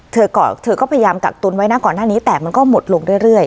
เธอก็เธอก็พยายามกัดตุ๋นไว้นะก่อนหน้านี้แต่มันก็หมดลงเรื่อยเรื่อย